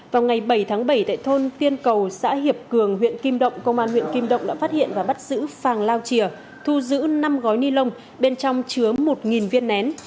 vào ngày bảy tháng bảy tại thôn tiên cầu xã hiệp cường huyện kim động công an huyện kim động đã phát hiện và bắt giữ phàng lao chìa thu giữ năm gói ni lông bên trong chứa một viên nén